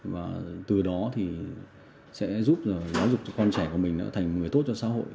và từ đó thì sẽ giúp giáo dục cho con trẻ của mình đã thành người tốt cho xã hội